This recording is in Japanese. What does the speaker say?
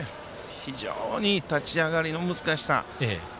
非常に立ち上がりの難しさ。